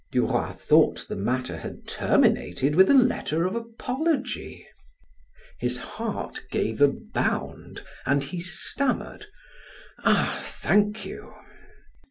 Duroy thought the matter had terminated with a letter of apology; his heart gave a bound and he stammered: "Ah thank you!"